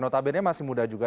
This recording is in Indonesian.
notabene masih muda juga